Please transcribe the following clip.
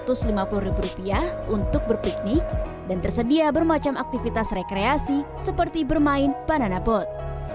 rp satu ratus lima puluh untuk berpiknik dan tersedia bermacam aktivitas rekreasi seperti bermain banana boat